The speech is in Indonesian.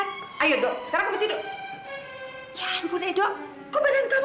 tapi ini bukti